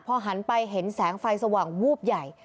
พอหันไปเห็นแสงไฟสว่างวูบใหญ่